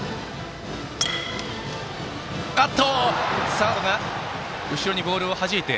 サードが後ろにボールをはじいた。